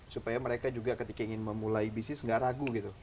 supaya mereka juga ketika ingin memulai bisnis nggak ragu gitu